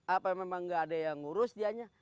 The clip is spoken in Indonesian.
apa memang tidak ada yang urus dianya